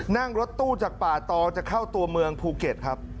นั่งรถตู้จากป่าตอจะเข้าตัวเมืองภูเก็ตครับ